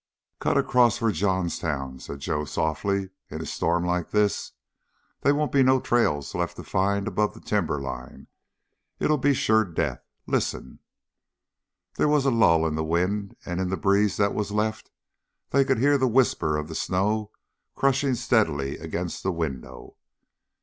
"Cut across for Johnstown," said Joe softly, "in a storm like this? They won't be no trails left to find above the timberline. It'd be sure death. Listen!" There was a lull in the wind, and in the breeze that was left, they could hear the whisper of the snow crushing steadily against the window.